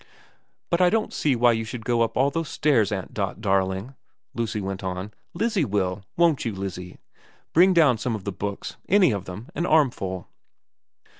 ' But I don't see why you should go up all those stairs, Aunt Dot darling,' Lucy went on. ' Lizzie will, won't you, Lizzie ? Bring down some of the books any of them. An armful.'